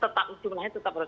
tetap usulnya tetap harus